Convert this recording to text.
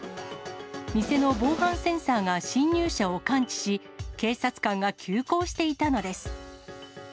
店の防犯センサーが侵入者を感知し、警察官が急行していたのです。